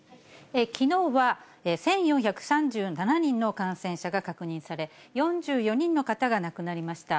きのうは、１４３７人の感染者が確認され、４４人の方が亡くなりました。